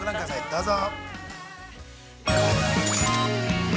どうぞ。